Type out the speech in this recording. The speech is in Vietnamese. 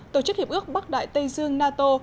tổ chức hiệp ước bắc đại tây dương nato